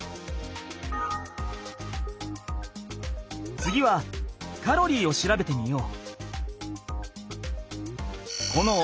次はカロリーを調べてみよう。